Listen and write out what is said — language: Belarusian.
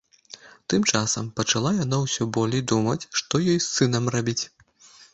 Тым часам пачала яна ўсё болей думаць, што ёй з сынам рабіць.